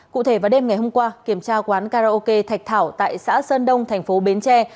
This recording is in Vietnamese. cụ thể vào đêm ngày hôm qua kiểm tra quán karaoke thạch thảo tại xã sơn đông thành phố bến tre